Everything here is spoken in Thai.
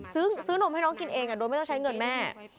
ซื้อนมให้น้องกินเองโดยไม่ต้องใช้เงินแม่